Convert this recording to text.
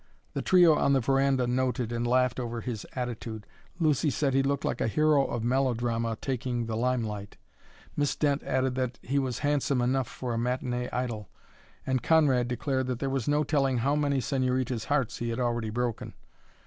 The trio on the veranda noted and laughed over his attitude. Lucy said he looked like a hero of melodrama taking the limelight. Miss Dent added that he was handsome enough for a matinee idol, and Conrad declared that there was no telling how many señoritas' hearts he had already broken.